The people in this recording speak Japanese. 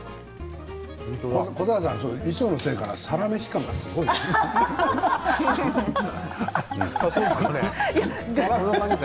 古坂さんは衣装のせいかな「サラメシ」感がすごいですね。